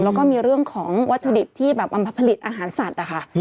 แล้วก็มีเรื่องของวัตถุดิบที่แบบมันผลิตอาหารสัตว์นะคะ